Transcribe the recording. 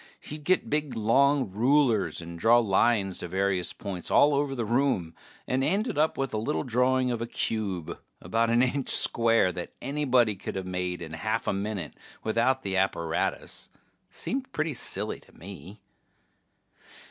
He'd get big long rulers and draw lines to various points all over the room, and end up with a little drawing of a cube about an inch square that anybody coulda made in a half a minute without all the apparatus. Seemed pretty silly to me.